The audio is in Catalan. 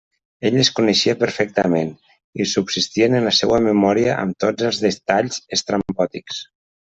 Ell les coneixia perfectament, i subsistien en la seua memòria amb tots els detalls estrambòtics.